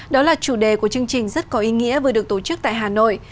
đó là chủ đề của chương trình rất có ý nghĩa vừa được tổ chức tại hà nội